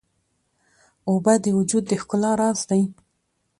اوبه د وجود د ښکلا راز دي.